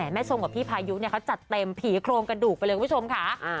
ทรงกับพี่พายุเขาจัดเต็มผีโครงกระดูกไปเลยคุณผู้ชมค่ะ